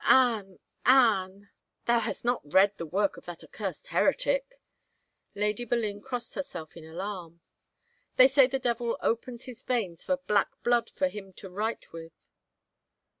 " Anne — Anne — thou hast not read the work of that accursed heretic !" Lady Boleyn crossed herself in alarm. "They say the devil opens his veins for black blood for him to write with